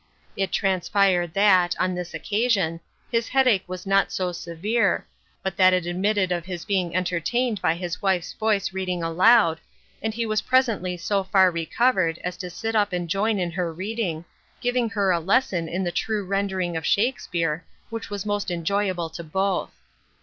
It transpired that, on this occa sion, his headache was not so severe, but that it admitted of his being entertained by his wife's voice reading aloud, and he was presently so far recovered as to sit up and join in her reading, giving her a lesson in the true rendering of Shakespeare, which was most enjoyable to both.